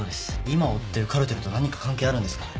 今追ってるカルテルと何か関係あるんですかね？